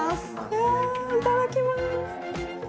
わぁいただきます。